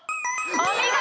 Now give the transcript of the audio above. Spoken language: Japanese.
お見事！